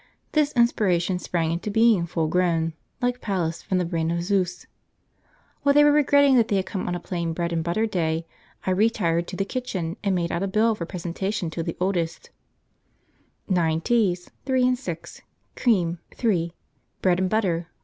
This inspiration sprang into being full grown, like Pallas from the brain of Zeus. While they were regretting that they had come on a plain bread and butter day, I retired to the kitchen and made out a bill for presentation to the oldest man of the party. s. d. Nine teas. ... 3 6 Cream .... 3 Bread and butter